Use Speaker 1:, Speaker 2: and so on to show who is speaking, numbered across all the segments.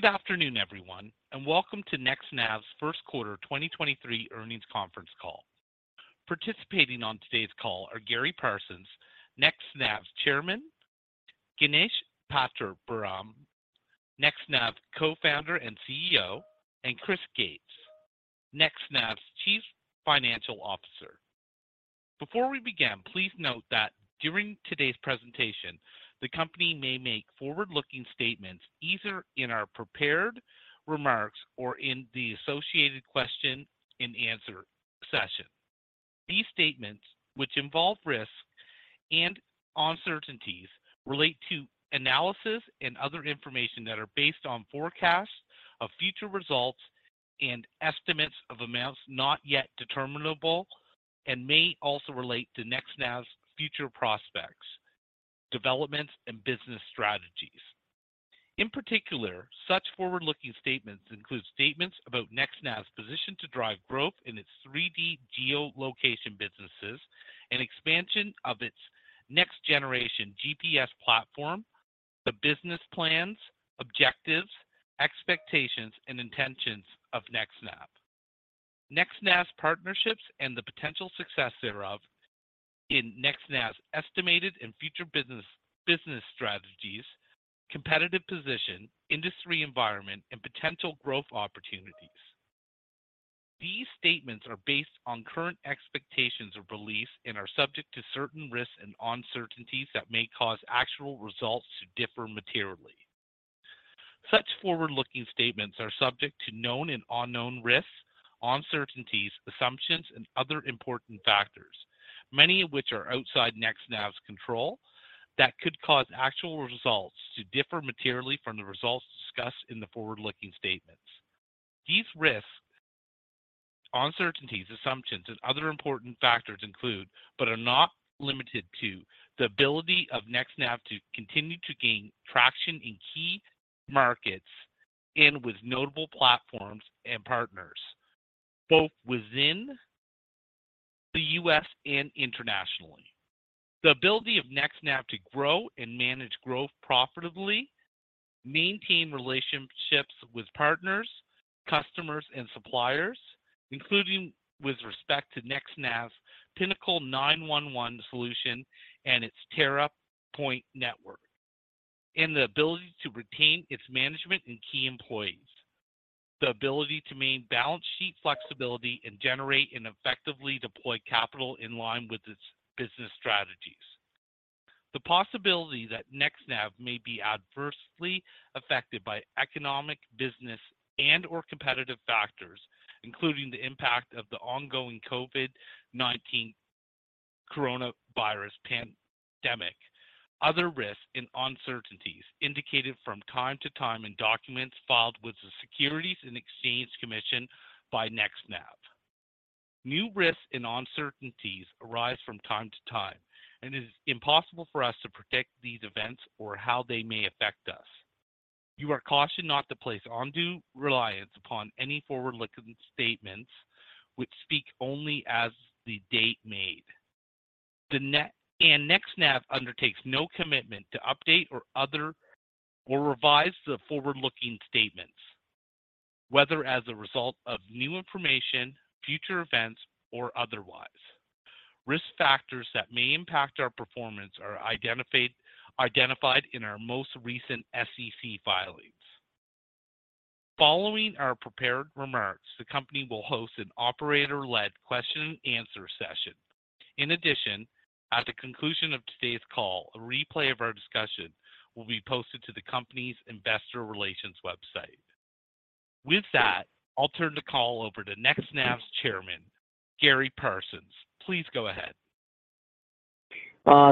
Speaker 1: Good afternoon, everyone, and welcome to NextNav's First Quarter 2023 Earnings Conference Call. Participating on today's call are Gary Parsons, NextNav's Chairman, Ganesh Pattabiraman, NextNav Co-founder and CEO, and Chris Gates, NextNav's Chief Financial Officer. Before we begin, please note that during today's presentation, the company may make forward-looking statements either in our prepared remarks or in the associated question and answer session. These statements, which involve risks and uncertainties, relate to analysis and other information that are based on forecasts of future results and estimates of amounts not yet determinable and may also relate to NextNav's future prospects, developments, and business strategies. In particular, such forward-looking statements include statements about NextNav's position to drive growth in its 3D geolocation businesses and expansion of its next generation GPS platform, the business plans, objectives, expectations, and intentions of NextNav NextNav's partnerships and the potential success thereof in NextNav's estimated and future business strategies, competitive position, industry environment, and potential growth opportunities. These statements are based on current expectations or beliefs and are subject to certain risks and uncertainties that may cause actual results to differ materially. Such forward-looking statements are subject to known and unknown risks, uncertainties, assumptions, and other important factors, many of which are outside NextNav's control that could cause actual results to differ materially from the results discussed in the forward-looking statements. These risks, uncertainties, assumptions, and other important factors include, but are not limited to, the ability of NextNav to continue to gain traction in key markets and with notable platforms and partners, both within the U.S. and internationally. The ability of NextNav to grow and manage growth profitably, maintain relationships with partners, customers, and suppliers, including with respect to NextNav's Pinnacle 911 solution and its TerraPoiNT network, and the ability to retain its management and key employees. The ability to maintain balance sheet flexibility and generate and effectively deploy capital in line with its business strategies. The possibility that NextNav may be adversely affected by economic, business, and/or competitive factors, including the impact of the ongoing COVID-19 coronavirus pandemic, other risks and uncertainties indicated from time to time in documents filed with the Securities and Exchange Commission by NextNav. New risks and uncertainties arise from time to time, and it is impossible for us to predict these events or how they may affect us. You are cautioned not to place undue reliance upon any forward-looking statements which speak only as the date made. NextNav undertakes no commitment to update or revise the forward-looking statements, whether as a result of new information, future events, or otherwise. Risk factors that may impact our performance are identified in our most recent SEC filings. Following our prepared remarks, the company will host an operator-led question and answer session. In addition, at the conclusion of today's call, a replay of our discussion will be posted to the company's investor relations website. With that, I'll turn the call over to NextNav's chairman, Gary Parsons. Please go ahead.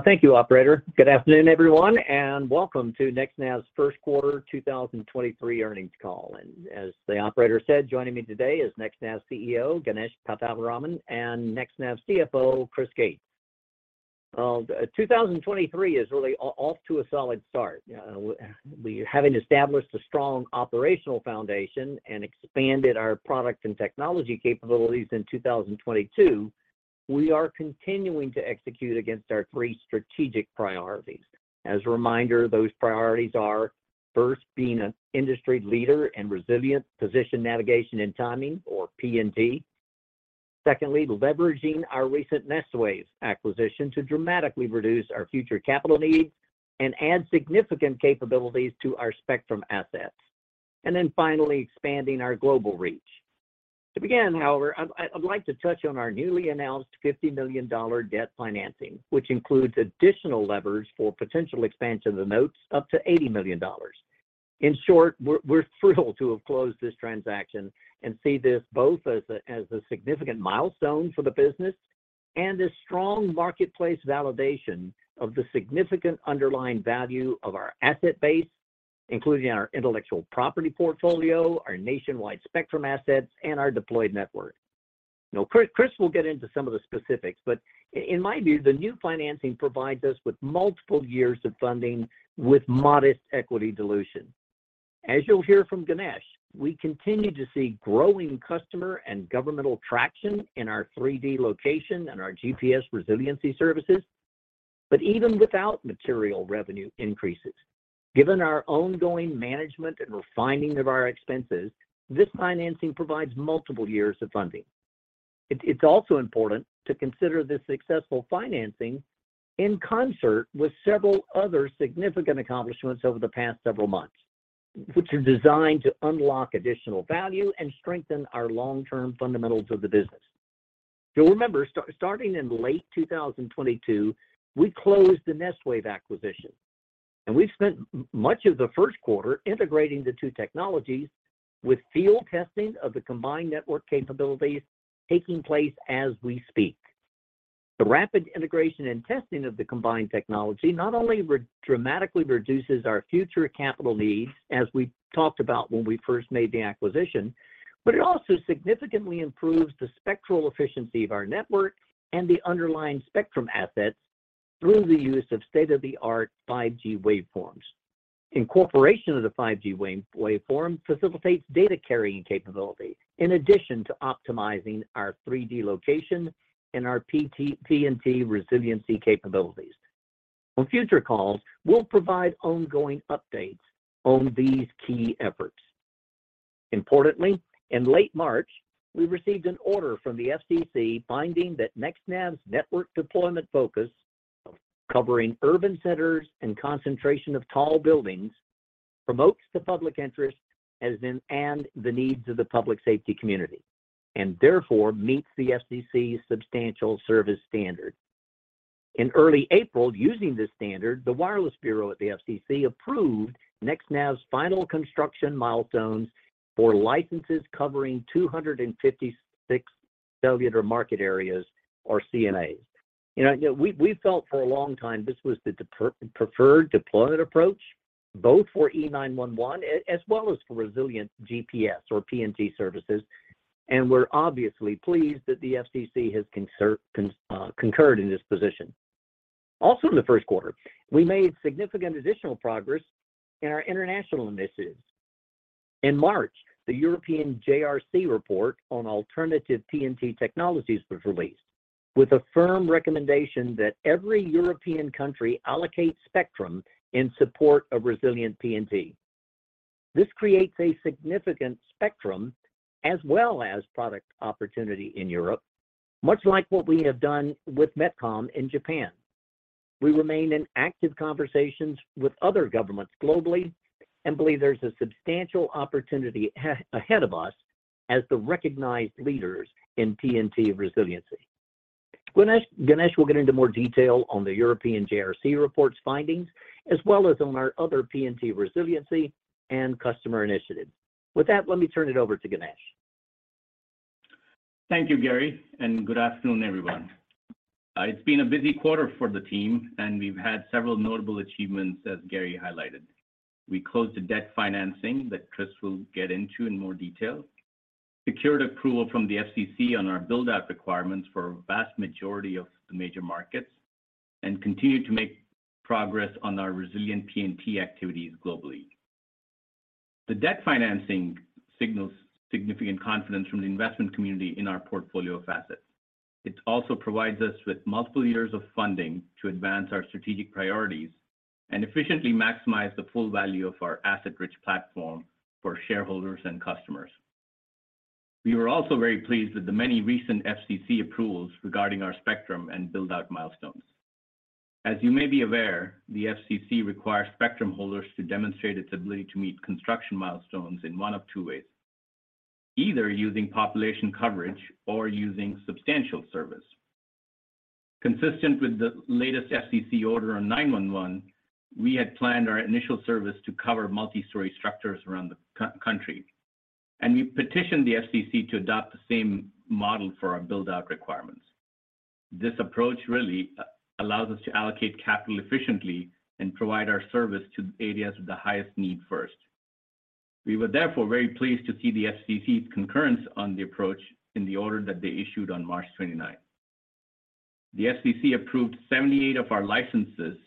Speaker 2: Thank you, operator. Good afternoon, everyone, and welcome to NextNav's first quarter 2023 earnings call. As the operator said, joining me today is NextNav's CEO, Ganesh Pattabiraman, and NextNav's CFO, Chris Gates. Well, 2023 is really off to a solid start. Having established a strong operational foundation and expanded our product and technology capabilities in 2022, we are continuing to execute against our three strategic priorities. As a reminder, those priorities are, first, being an industry leader in resilient position navigation and timing, or PNT. Secondly, leveraging our recent Nestwave acquisition to dramatically reduce our future capital needs and add significant capabilities to our spectrum assets. Finally, expanding our global reach. To begin, however, I'd like to touch on our newly announced $50 million debt financing, which includes additional levers for potential expansion of the notes up to $80 million. In short, we're thrilled to have closed this transaction and see this as a significant milestone for the business and a strong marketplace validation of the significant underlying value of our asset base, including our intellectual property portfolio, our nationwide spectrum assets, and our deployed network. Now, Chris will get into some of the specifics, but in my view, the new financing provides us with multiple years of funding with modest equity dilution. As you'll hear from Ganesh, we continue to see growing customer and governmental traction in our 3D location and our GPS resiliency services. Even without material revenue increases, given our ongoing management and refining of our expenses, this financing provides multiple years of funding. It's also important to consider this successful financing in concert with several other significant accomplishments over the past several months, which are designed to unlock additional value and strengthen our long-term fundamentals of the business. You'll remember, starting in late 2022, we closed the Nestwave acquisition, and we've spent much of the first quarter integrating the two technologies with field testing of the combined network capabilities taking place as we speak. The rapid integration and testing of the combined technology not only re-dramatically reduces our future capital needs, as we talked about when we first made the acquisition, but it also significantly improves the spectral efficiency of our network and the underlying spectrum assets through the use of state-of-the-art 5G waveforms. Incorporation of the 5G waveform facilitates data carrying capability in addition to optimizing our 3D location and our PNT resiliency capabilities. On future calls, we'll provide ongoing updates on these key efforts. Importantly, in late March, we received an order from the FCC finding that NextNav's network deployment focus of covering urban centers and concentration of tall buildings promotes the public interest and the needs of the public safety community, and therefore meets the FCC's substantial service standard. In early April, using this standard, the Wireless Telecommunications Bureau at the FCC approved NextNav's final construction milestones for licenses covering 256 Cellular Market Areas or CMAs. You know, we felt for a long time this was the preferred deployment approach, both for E911 as well as for resilient GPS or PNT services, and we're obviously pleased that the FCC has concurred in this position. Also in the first quarter, we made significant additional progress in our international initiatives. In March, the European JRC report on alternative PNT technologies was released with a firm recommendation that every European country allocate spectrum in support of resilient PNT. This creates a significant spectrum as well as product opportunity in Europe, much like what we have done with MetCom in Japan. We remain in active conversations with other governments globally and believe there's a substantial opportunity ahead of us as the recognized leaders in PNT resiliency. Ganesh will get into more detail on the European JRC report's findings, as well as on our other PNT resiliency and customer initiatives. With that, let me turn it over to Ganesh.
Speaker 3: Thank you, Gary, good afternoon, everyone. It's been a busy quarter for the team, and we've had several notable achievements, as Gary highlighted. We closed the debt financing that Chris will get into in more detail, secured approval from the FCC on our build-out requirements for a vast majority of the major markets, and continue to make progress on our resilient PNT activities globally. The debt financing signals significant confidence from the investment community in our portfolio of assets. It also provides us with multiple years of funding to advance our strategic priorities and efficiently maximize the full value of our asset-rich platform for shareholders and customers. We were also very pleased with the many recent FCC approvals regarding our spectrum and build-out milestones. As you may be aware, the FCC requires spectrum holders to demonstrate its ability to meet construction milestones in one of two ways: either using population coverage or using substantial service. Consistent with the latest FCC order on 911, we had planned our initial service to cover multi-story structures around the country, and we petitioned the FCC to adopt the same model for our build-out requirements. This approach really allows us to allocate capital efficiently and provide our service to areas with the highest need first. We were therefore very pleased to see the FCC's concurrence on the approach in the order that they issued on March 29th. The FCC approved 78 of our licenses,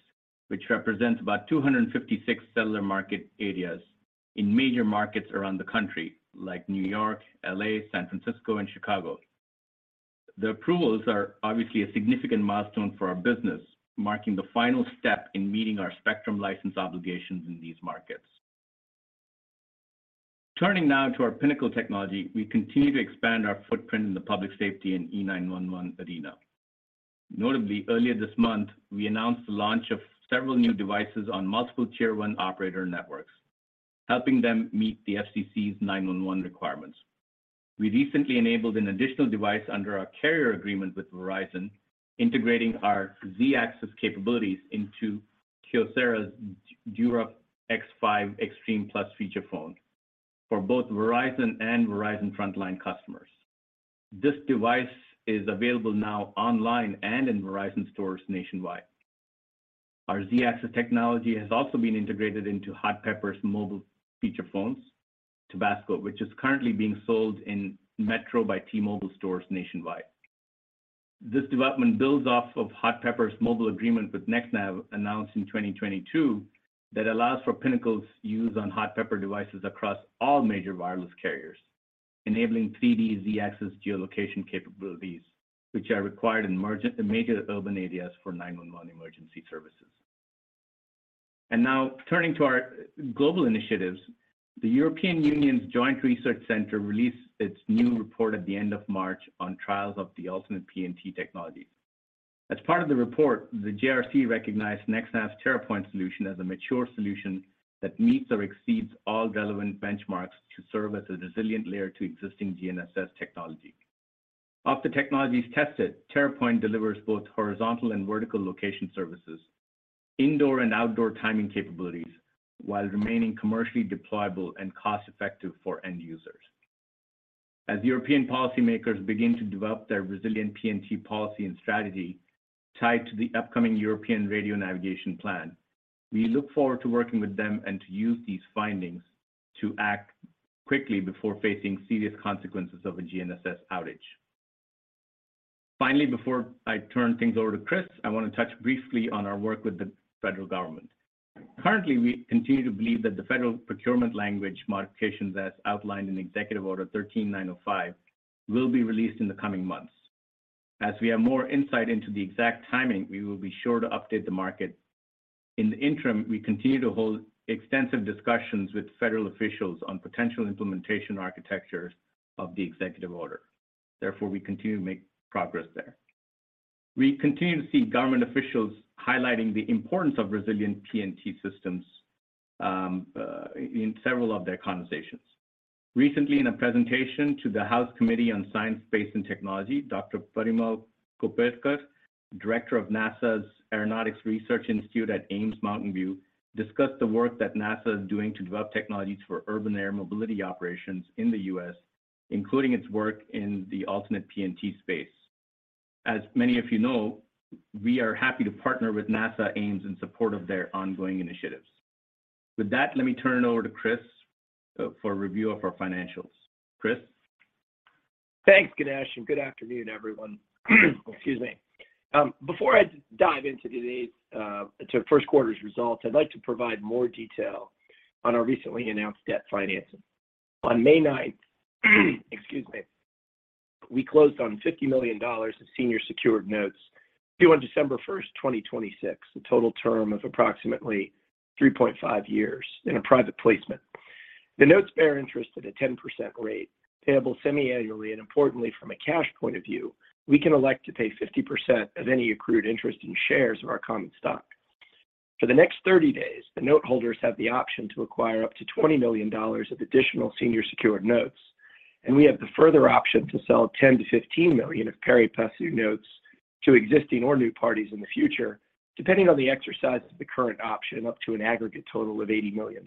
Speaker 3: which represents about 256 Cellular Market Areas in major markets around the country like New York, LA, San Francisco, and Chicago. The approvals are obviously a significant milestone for our business, marking the final step in meeting our spectrum license obligations in these markets. Turning now to our Pinnacle technology, we continue to expand our footprint in the public safety and E911 arena. Notably, earlier this month, we announced the launch of several new devices on multiple Tier 1 operator networks, helping them meet the FCC's 911 requirements. We recently enabled an additional device under our carrier agreement with Verizon, integrating our Z-axis capabilities into Kyocera's DuraXV Extreme+ feature phone for both Verizon and Verizon Frontline customers. This device is available now online and in Verizon stores nationwide. Our Z-axis technology has also been integrated into Hot Pepper Mobile's feature phones, Tabasco, which is currently being sold in Metro by T-Mobile stores nationwide. This development builds off of Hot Pepper Mobile's agreement with NextNav, announced in 2022, that allows for Pinnacle's use on Hot Pepper devices across all major wireless carriers. Enabling 3D Z-axis geolocation capabilities, which are required in major urban areas for 911 emergency services. Now turning to our global initiatives, the European Union's Joint Research Centre released its new report at the end of March on trials of the ultimate PNT technology. As part of the report, the JRC recognized NextNav's TerraPoiNT solution as a mature solution that meets or exceeds all relevant benchmarks to serve as a resilient layer to existing GNSS technology. Of the technologies tested, TerraPoiNT delivers both horizontal and vertical location services, indoor and outdoor timing capabilities, while remaining commercially deployable and cost-effective for end users. As European policymakers begin to develop their resilient PNT policy and strategy tied to the upcoming European Radio Navigation Plan, we look forward to working with them and to use these findings to act quickly before facing serious consequences of a GNSS outage. Finally, before I turn things over to Chris, I want to touch briefly on our work with the federal government. Currently, we continue to believe that the federal procurement language modifications as outlined in Executive Order 13905 will be released in the coming months. As we have more insight into the exact timing, we will be sure to update the market. In the interim, we continue to hold extensive discussions with federal officials on potential implementation architectures of the executive order. Therefore, we continue to make progress there. We continue to see government officials highlighting the importance of resilient PNT systems, in several of their conversations. Recently, in a presentation to the House Committee on Science, Space, and Technology, Dr. Parimal Kopardekar, Director of NASA's Aeronautics Research Institute at Ames Mountain View, discussed the work that NASA is doing to develop technologies for urban air mobility operations in the U.S., including its work in the alternate PNT space. As many of you know, we are happy to partner with NASA Ames in support of their ongoing initiatives. With that, let me turn it over to Chris for a review of our financials. Chris?
Speaker 4: Thanks, Ganesh. Good afternoon, everyone. Excuse me. Before I dive into today's first quarter's results, I'd like to provide more detail on our recently announced debt financing. On May ninth, excuse me, we closed on $50 million of senior secured notes due on December first, 2026, a total term of approximately 3.5 years in a private placement. The notes bear interest at a 10% rate, payable semiannually, and importantly, from a cash point of view, we can elect to pay 50% of any accrued interest in shares of our common stock. For the next 30 days, the note holders have the option to acquire up to $20 million of additional senior secured notes, and we have the further option to sell $10 million-$15 million of pari passu notes to existing or new parties in the future, depending on the exercise of the current option, up to an aggregate total of $80 million.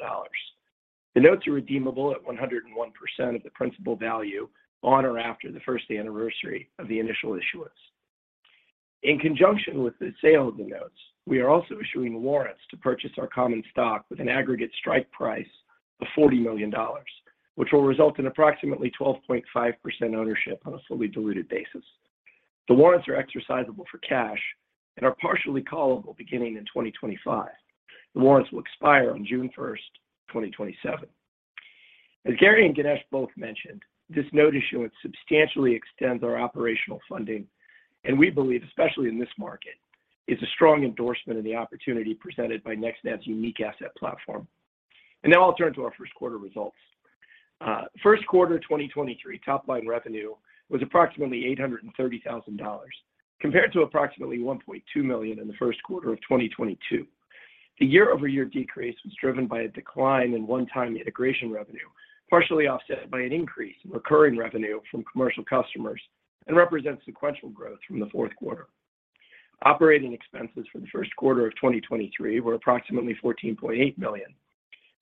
Speaker 4: The notes are redeemable at 101% of the principal value on or after the first anniversary of the initial issuance. In conjunction with the sale of the notes, we are also issuing warrants to purchase our common stock with an aggregate strike price of $40 million, which will result in approximately 12.5% ownership on a fully diluted basis. The warrants are exercisable for cash and are partially callable beginning in 2025. The warrants will expire on June 1, 2027. As Gary and Ganesh both mentioned, this note issuance substantially extends our operational funding, and we believe, especially in this market, it's a strong endorsement of the opportunity presented by NextNav's unique asset platform. Now I'll turn to our first quarter results. first quarter 2023 top-line revenue was approximately $830,000, compared to approximately $1.2 million in the first quarter of 2022. The year-over-year decrease was driven by a decline in one-time integration revenue, partially offset by an increase in recurring revenue from commercial customers and represents sequential growth from the fourth quarter. Operating expenses for the first quarter of 2023 were approximately $14.8 million,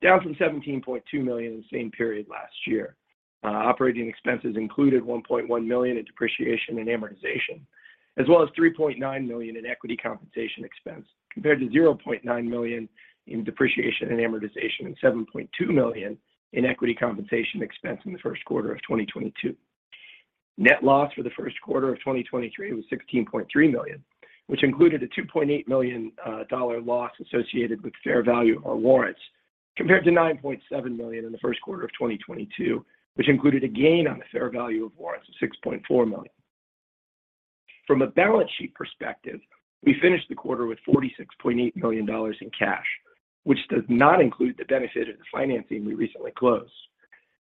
Speaker 4: down from $17.2 million in the same period last year. Operating expenses included $1.1 million in depreciation and amortization, as well as $3.9 million in equity compensation expense, compared to $0.9 million in depreciation and amortization and $7.2 million in equity compensation expense in the first quarter of 2022. Net loss for the first quarter of 2023 was $16.3 million, which included a $2.8 million loss associated with fair value of our warrants, compared to $9.7 million in the first quarter of 2022, which included a gain on the fair value of warrants of $6.4 million. From a balance sheet perspective, we finished the quarter with $46.8 million in cash, which does not include the benefit of the financing we recently closed.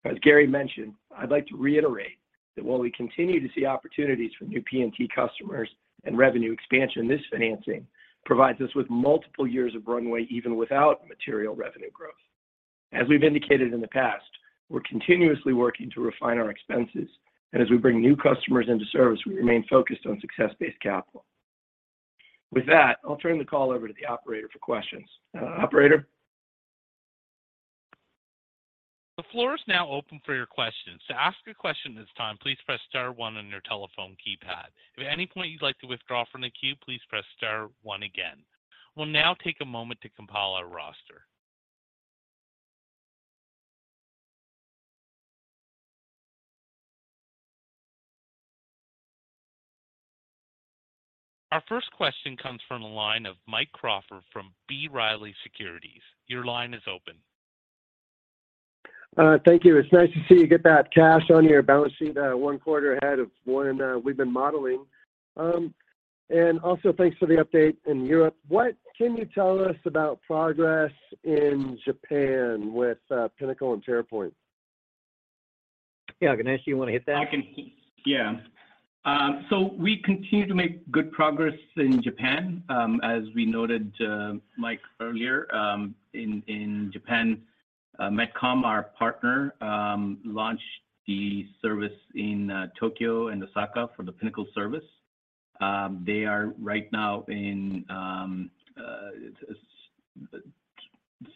Speaker 4: As Gary mentioned, I'd like to reiterate that while we continue to see opportunities for new PNT customers and revenue expansion, this financing provides us with multiple years of runway, even without material revenue growth. As we've indicated in the past, we're continuously working to refine our expenses, and as we bring new customers into service, we remain focused on success-based capital. With that, I'll turn the call over to the operator for questions. Operator?
Speaker 1: The floor is now open for your questions. To ask a question at this time, please press star one on your telephone keypad. If at any point you'd like to withdraw from the queue, please press star one again. We'll now take a moment to compile our roster. Our first question comes from the line of Mike Crawford from B. Riley Securities. Your line is open.
Speaker 5: Thank you. It's nice to see you get that cash on your balance sheet, one quarter ahead of when we've been modeling. Also thanks for the update in Europe. What can you tell us about progress in Japan with Pinnacle and TerraPoiNT?
Speaker 2: Yeah. Ganesh, you wanna hit that?
Speaker 3: I can. Yeah. We continue to make good progress in Japan, as we noted, Mike, earlier, in Japan. MetCom, our partner, launched the service in Tokyo and Osaka for the Pinnacle service. They are right now in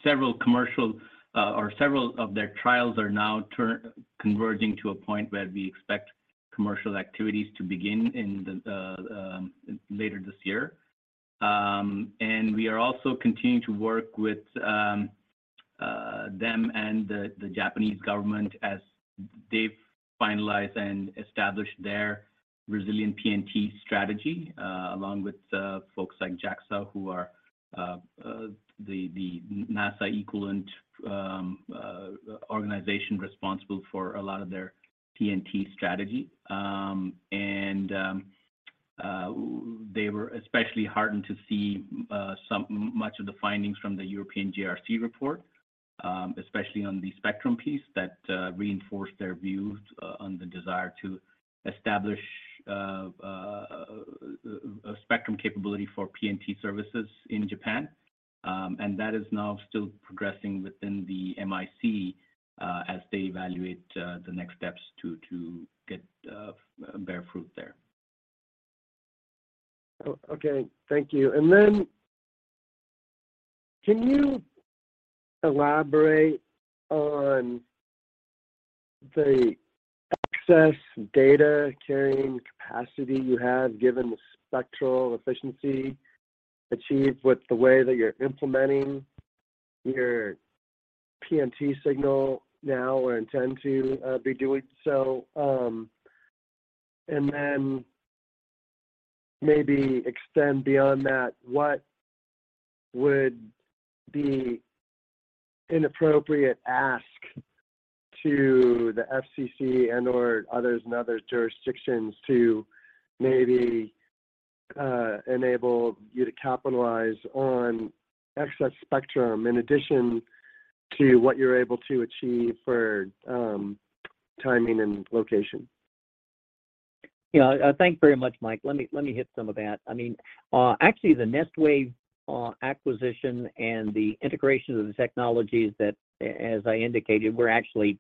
Speaker 3: several commercial, or several of their trials are now turn-converging to a point where we expect commercial activities to begin later this year. We are also continuing to work with them and the Japanese government as they finalize and establish their resilient PNT strategy, along with folks like JAXA, who are the NASA equivalent organization responsible for a lot of their PNT strategy. They were especially heartened to see much of the findings from the European JRC report, especially on the spectrum piece that reinforced their views on the desire to establish a spectrum capability for PNT services in Japan. That is now still progressing within the MIC as they evaluate the next steps to get bear fruit there.
Speaker 5: Okay. Thank you. Can you elaborate on the excess data carrying capacity you have given the spectral efficiency achieved with the way that you're implementing your PNT signal now or intend to be doing so? Maybe extend beyond that, what would be an appropriate ask to the FCC and/or others in other jurisdictions to maybe enable you to capitalize on excess spectrum in addition to what you're able to achieve for timing and location?
Speaker 2: Thanks very much, Mike. Let me hit some of that. I mean, actually, the Nestwave acquisition and the integration of the technologies that as I indicated, we're actually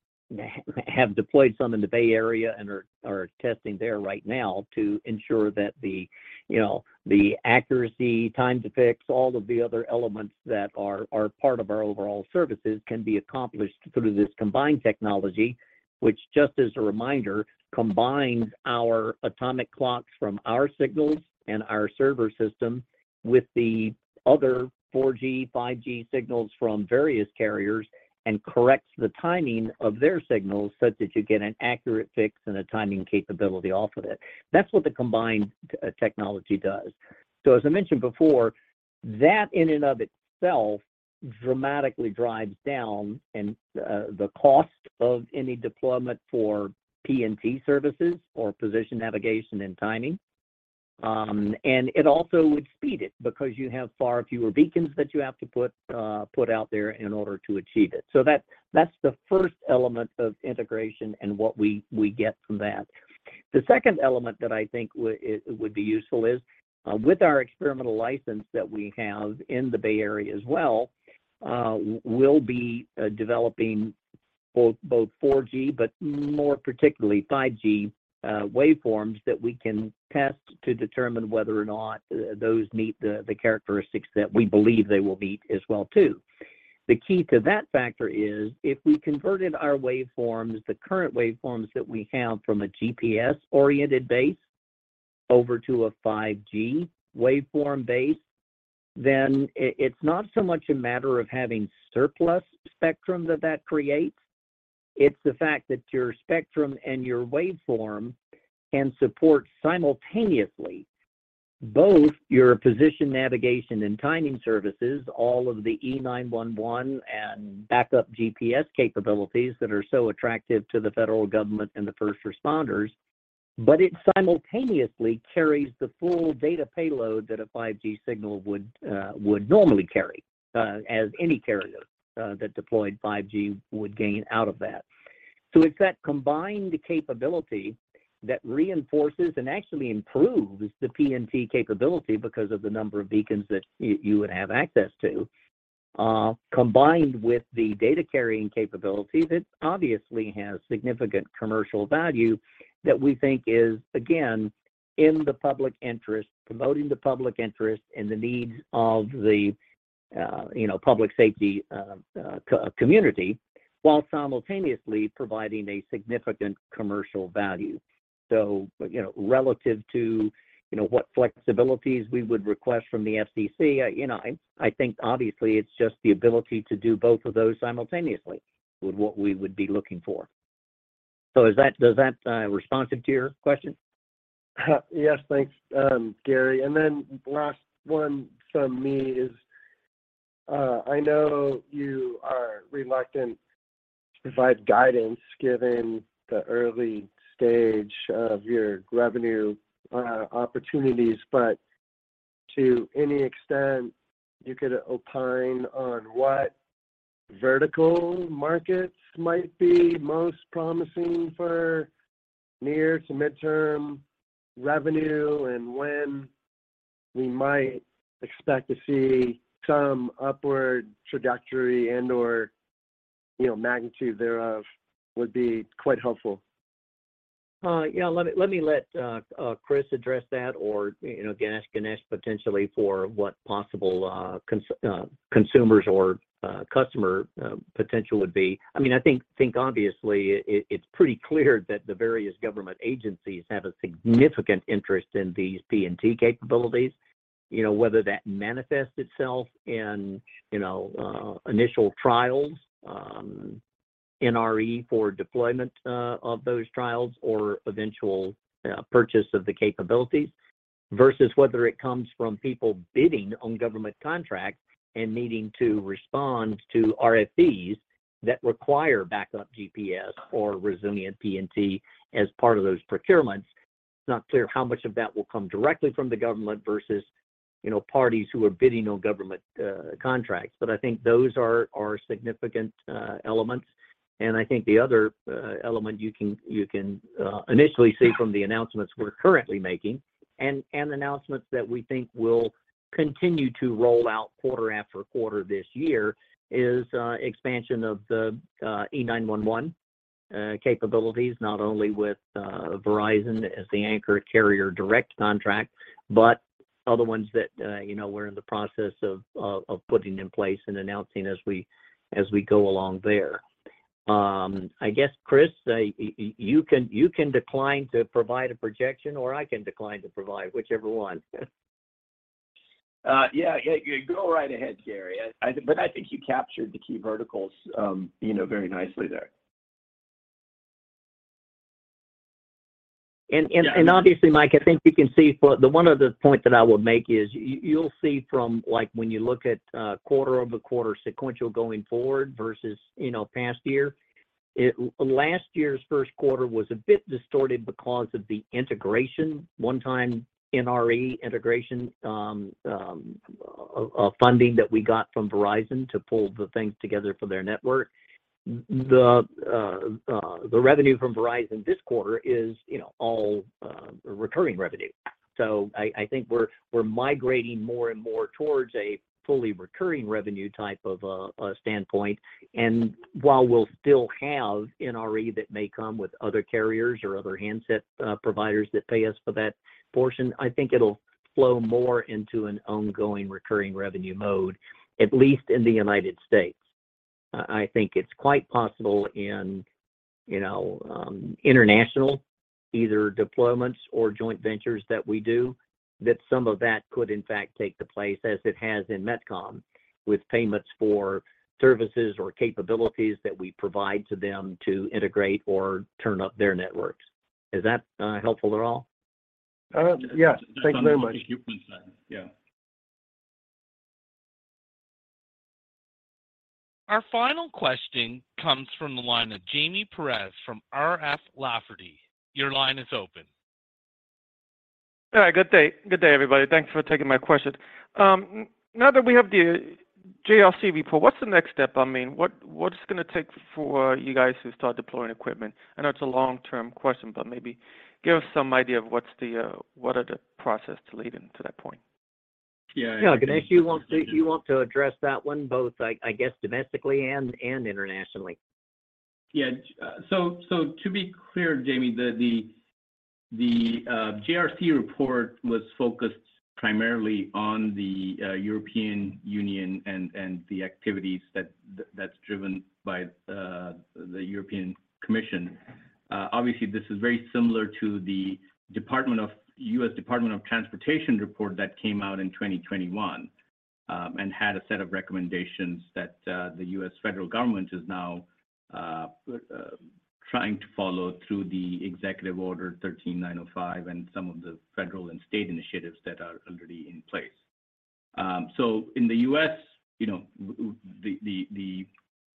Speaker 2: have deployed some in the Bay Area and are testing there right now to ensure that the, you know, the accuracy, time to fix, all of the other elements that are part of our overall services can be accomplished through this combined technology, which just as a reminder, combines our atomic clocks from our signals and our server system with the other 4G, 5G signals from various carriers and corrects the timing of their signals such that you get an accurate fix and a timing capability off of it. That's what the combined technology does. As I mentioned before, that in and of itself dramatically drives down and the cost of any deployment for PNT services or position navigation and timing. It also would speed it because you have far fewer beacons that you have to put out there in order to achieve it. That's the first element of integration and what we get from that. The second element that I think it would be useful is, with our experimental license that we have in the Bay Area as well, we'll be developing both 4G, but more particularly 5G, waveforms that we can test to determine whether or not those meet the characteristics that we believe they will meet as well too. The key to that factor is if we converted our waveforms, the current waveforms that we have from a GPS-oriented base over to a 5G waveform base, it's not so much a matter of having surplus spectrum that creates. It's the fact that your spectrum and your waveform can support simultaneously both your position, navigation and timing services, all of the E911 and backup GPS capabilities that are so attractive to the federal government and the first responders, but it simultaneously carries the full data payload that a 5G signal would normally carry as any carrier that deployed 5G would gain out of that. It's that combined capability that reinforces and actually improves the PNT capability because of the number of beacons that you would have access to, combined with the data carrying capability that obviously has significant commercial value that we think is, again, in the public interest, promoting the public interest and the needs of the, you know, public safety, community while simultaneously providing a significant commercial value. You know, relative to, you know, what flexibilities we would request from the FCC, you know, I think obviously it's just the ability to do both of those simultaneously with what we would be looking for. Is that, does that, responsive to your question?
Speaker 5: Yes. Thanks, Gary. Last one from me is, I know you are reluctant to provide guidance given the early stage of your revenue opportunities, but to any extent you could opine on what vertical markets might be most promising for near to midterm revenue and when we might expect to see some upward trajectory and/or, you know, magnitude thereof would be quite helpful.
Speaker 2: Yeah, let me let Chris address that or, you know, Ganesh potentially for what possible consumers or customer potential would be. I mean, I think obviously it's pretty clear that the various government agencies have a significant interest in these PNT capabilities. You know, whether that manifests itself in, you know, initial trials, NRE for deployment of those trials or eventual purchase of the capabilities versus whether it comes from people bidding on government contracts and needing to respond to RFPs that require backup GPS or resilient PNT as part of those procurements. It's not clear how much of that will come directly from the government versus, you know, parties who are bidding on government contracts. I think those are significant elements. I think the other element you can initially see from the announcements we're currently making and announcements that we think will continue to roll out quarter after quarter this year is expansion of the E911 capabilities, not only with Verizon as the anchor carrier direct contract, but other ones that, you know, we're in the process of putting in place and announcing as we go along there. I guess, Chris, you can decline to provide a projection or I can decline to provide whichever one.
Speaker 3: yeah. Go right ahead, Gary. I think you captured the key verticals, you know, very nicely there.
Speaker 2: Obviously, Mike, I think you can see. One of the points that I would make is you'll see from, like, when you look at quarter-over-quarter sequential going forward versus, you know, past year, Last year's first quarter was a bit distorted because of the integration, one-time NRE integration funding that we got from Verizon to pull the things together for their network. The revenue from Verizon this quarter is, you know, all recurring revenue. I think we're migrating more and more towards a fully recurring revenue type of a standpoint. While we'll still have NRE that may come with other carriers or other handset providers that pay us for that portion, I think it'll flow more into an ongoing recurring revenue mode, at least in the United States. I think it's quite possible in, you know, international, either deployments or joint ventures that we do, that some of that could in fact take the place as it has in MetCom with payments for services or capabilities that we provide to them to integrate or turn up their networks. Is that helpful at all?
Speaker 5: Yeah. Thank you very much.
Speaker 3: That's a good point, yeah.
Speaker 1: Our final question comes from the line of Jaime Perez from R.F. Lafferty. Your line is open.
Speaker 6: All right. Good day. Good day, everybody. Thanks for taking my questions. Now that we have the JRC report, what's the next step? I mean, what it's gonna take for you guys to start deploying equipment? I know it's a long-term question, but maybe give us some idea of what are the process to leading to that point?
Speaker 5: Yeah.
Speaker 2: Yeah. Ganesh, you want to address that one both, I guess, domestically and internationally?
Speaker 3: Yeah. To be clear, Jaime, the JRC report was focused primarily on the European Union and the activities that's driven by the European Commission. Obviously this is very similar to the U.S. Department of Transportation report that came out in 2021 and had a set of recommendations that the U.S. federal government is now trying to follow through the Executive Order 13905 and some of the federal and state initiatives that are already in place. In the U.S., you know, the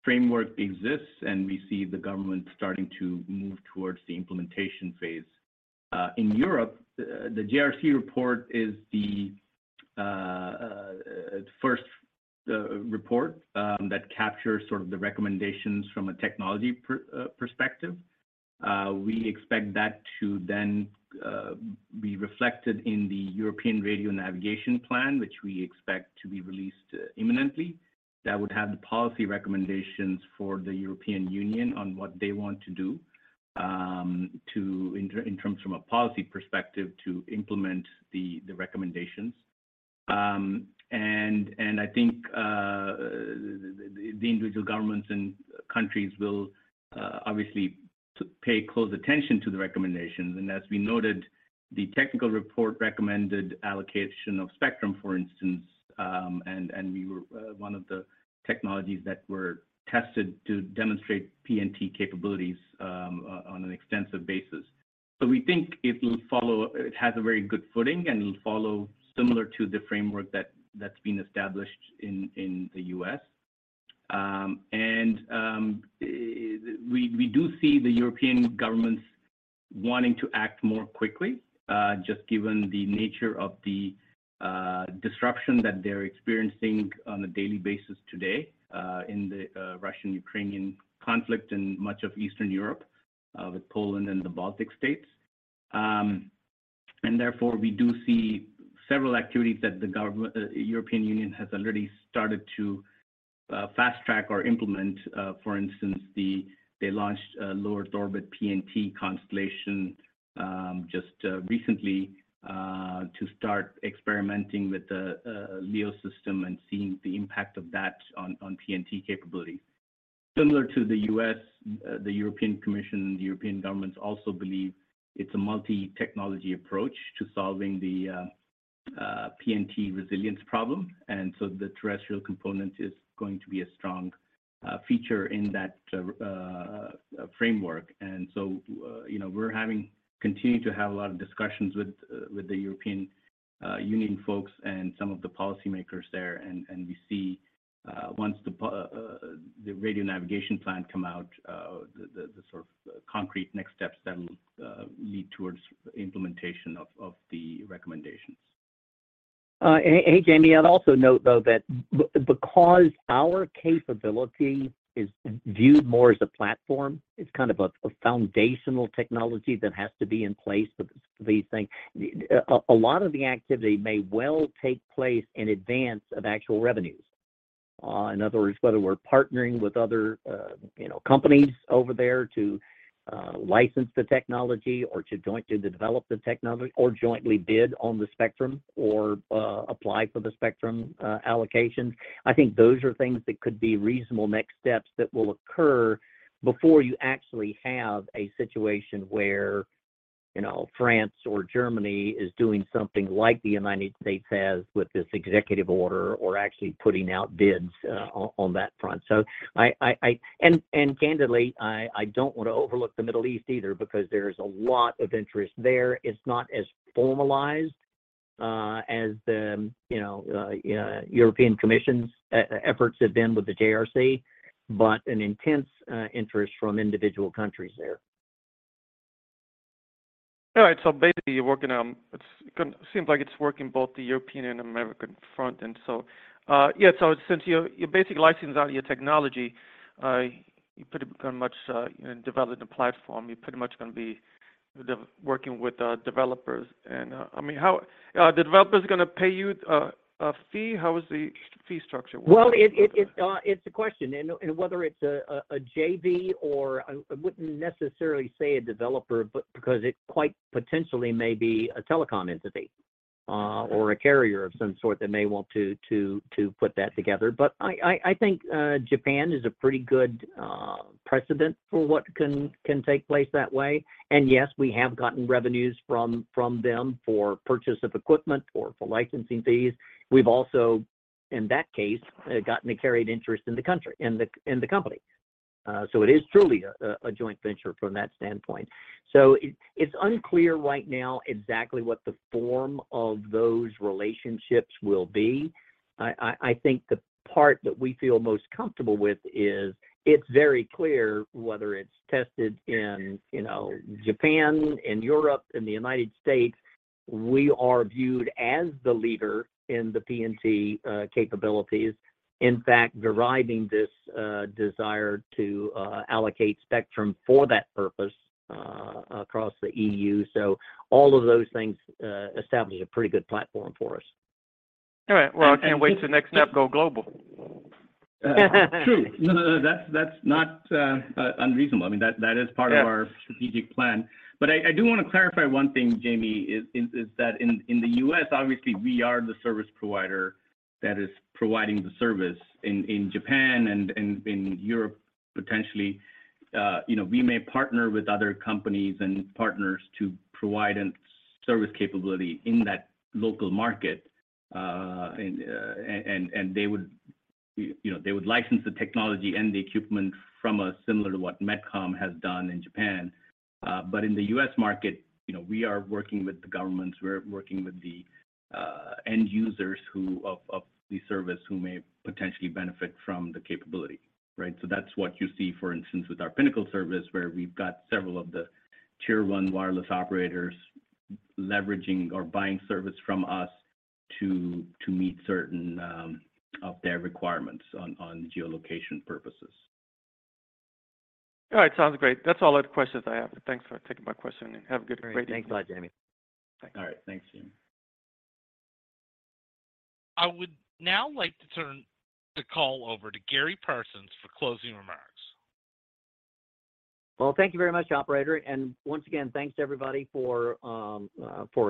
Speaker 3: framework exists, and we see the government starting to move towards the implementation phase. In Europe, the JRC report is the first report that captures sort of the recommendations from a technology perspective. We expect that to then be reflected in the European Radio Navigation Plan, which we expect to be released imminently, that would have the policy recommendations for the European Union on what they want to do to in terms from a policy perspective to implement the recommendations. I think the individual governments and countries will obviously pay close attention to the recommendations. As we noted, the technical report recommended allocation of spectrum, for instance, and we were one of the technologies that were tested to demonstrate PNT capabilities on an extensive basis. We think it will follow, it has a very good footing, and it'll follow similar to the framework that's been established in the U.S. We do see the European governments wanting to act more quickly, just given the nature of the disruption that they're experiencing on a daily basis today, in the Russian-Ukrainian conflict in much of Eastern Europe, with Poland and the Baltic States. Therefore, we do see several activities that the government, the European Union has already started to fast-track or implement. For instance, they launched a lower orbit PNT constellation just recently, to start experimenting with the LEO system and seeing the impact of that on PNT capability. Similar to the US, the European Commission, the European governments also believe it's a multi-technology approach to solving the PNT resilience problem. The terrestrial component is going to be a strong feature in that framework. You know, we're having, continuing to have a lot of discussions with the European Union folks and some of the policymakers there. And we see once the Radio Navigation Plan come out, the sort of concrete next steps that will lead towards implementation of the recommendations.
Speaker 2: Uh, a-a-hey, Jamie. I'd also note, though, that b-because our capability is viewed more as a platform, it's kind of a, a foundational technology that has to be in place for, for these things. A, a lot of the activity may well take place in advance of actual revenues. Uh, in other words, whether we're partnering with other, uh, you know, companies over there to, uh, license the technology or to jointly develop the technology or jointly bid on the spectrum or, uh, apply for the spectrum, uh, allocations. I think those are things that could be reasonable next steps that will occur before you actually have a situation where, you know, France or Germany is doing something like the United States has with this executive order or actually putting out bids, uh, on, on that front. Candidly, I don't wanna overlook the Middle East either because there's a lot of interest there. It's not as formalized as the, you know, European Commission's e-efforts have been with the JRC, but an intense interest from individual countries there.
Speaker 6: All right. Basically you're working on... It seems like it's working both the European and American front. Yeah, since you're basically licensing out your technology, you're pretty much in developing the platform, you're pretty much gonna be working with developers. I mean, how the developers are gonna pay you a fee? How is the fee structure working?
Speaker 2: Well, it's a question, and whether it's a JV or I wouldn't necessarily say a developer but because it quite potentially may be a telecom entity or a carrier of some sort that may want to put that together. I think, Japan is a pretty good precedent for what can take place that way. Yes, we have gotten revenues from them for purchase of equipment or for licensing fees. We've also, in that case, gotten a carried interest in the country, in the company. It is truly a joint venture from that standpoint. It's unclear right now exactly what the form of those relationships will be. I think the part that we feel most comfortable with is it's very clear whether it's tested in, you know, Japan, in Europe, in the United States, we are viewed as the leader in the PNT capabilities. In fact, deriving this desire to allocate spectrum for that purpose across the EU. All of those things establish a pretty good platform for us.
Speaker 6: All right. Well, I can't wait till NextNav go global.
Speaker 3: True. No, no, that's not unreasonable. I mean, that is part of our strategic plan. I do wanna clarify one thing, Jaime, is that in the U.S., obviously, we are the service provider that is providing the service. In Japan and in Europe, potentially, you know, we may partner with other companies and partners to provide an service capability in that local market. They would, you know, they would license the technology and the equipment from us similar to what MetCom has done in Japan. In the U.S. market, you know, we are working with the governments. We're working with the end users who of the service who may potentially benefit from the capability, right? That's what you see, for instance, with our Pinnacle service, where we've got several of the tier one wireless operators leveraging or buying service from us to meet certain of their requirements on geolocation purposes.
Speaker 6: All right, sounds great. That's all the questions I have. Thanks for taking my question, and have a good-
Speaker 2: Great. Thanks a lot, Jaime.
Speaker 6: Thanks.
Speaker 3: All right. Thanks, Jaime.
Speaker 1: I would now like to turn the call over to Gary Parsons for closing remarks.
Speaker 2: Well, thank you very much, operator. Once again, thanks everybody for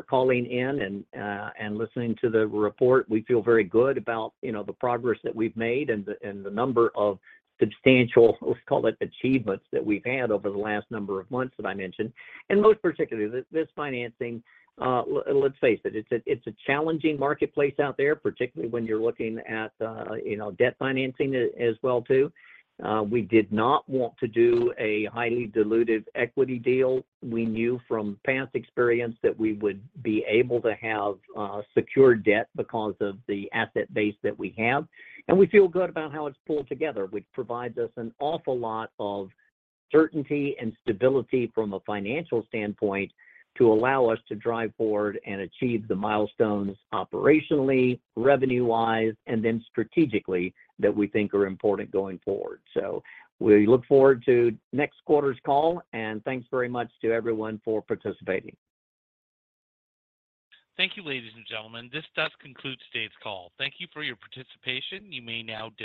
Speaker 2: calling in and listening to the report. We feel very good about, you know, the progress that we've made and the number of substantial, let's call it, achievements that we've had over the last number of months that I mentioned. Most particularly, this financing, let's face it's a challenging marketplace out there, particularly when you're looking at, you know, debt financing as well too. We did not want to do a highly dilutive equity deal. We knew from past experience that we would be able to have secure debt because of the asset base that we have. We feel good about how it's pulled together, which provides us an awful lot of certainty and stability from a financial standpoint to allow us to drive forward and achieve the milestones operationally, revenue-wise, and then strategically that we think are important going forward. We look forward to next quarter's call, and thanks very much to everyone for participating.
Speaker 1: Thank you, ladies and gentlemen. This does conclude today's call. Thank you for your participation. You may now disconnect.